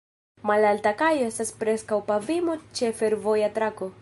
Malalta kajo estas preskaŭ pavimo ĉe fervoja trako.